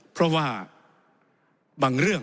เพราะว่าบางเรื่อง